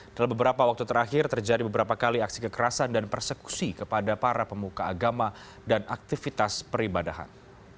dalam beberapa waktu terakhir terjadi beberapa kali aksi kekerasan dan persekusi kepada para pemuka agama dan aktivitas peribadahan